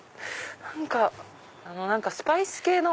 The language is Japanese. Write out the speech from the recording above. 何かスパイス系の。